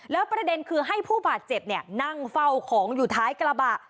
แล้วประเด็นคือให้ผู้บาดเจ็บนั่งเฝ้าของอยู่ท้ายกระบะ